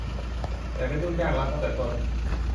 แต่เป็น "ลูกจ้างรัฐ" ตั้งแต่ต้น